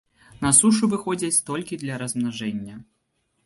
На сушу выходзяць толькі для размнажэння.